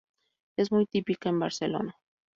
Es muy típica en Barcelona.